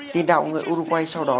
tiến đạo người uruguay sau đó